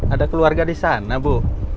ada keluarga di sana bu